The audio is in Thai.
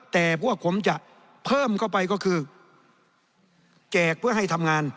แต่พวกผมจะเพิ่มเข้าไปก็คือแจกเพื่อให้ทำงาน